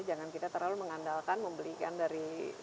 jangan kita terlalu mengandalkan membelikan dari